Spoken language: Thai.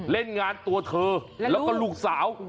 เล่นงานตัวเธอแล้วก็ลูกสาว